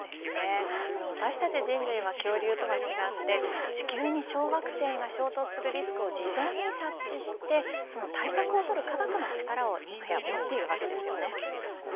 私たち人類は、恐竜とは違って地球に小惑星が衝突するリスクを事前に察知してその対策をとる科学の力を今や持っているわけですよね。